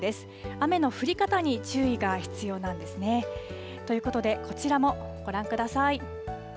雨の降り方に注意が必要なんですね。ということで、こちらもご覧ください。